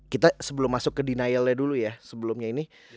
kita sebelum masuk ke denialnya dulu ya sebelumnya ini